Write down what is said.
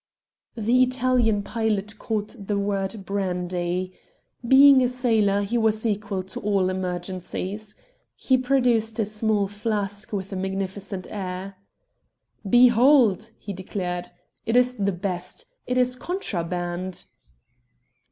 The Italian pilot caught the word "brandy." Being a sailor he was equal to all emergencies. He produced a small flask with a magnificent air. "Behold!" he declared. "It is the best. It is contraband!"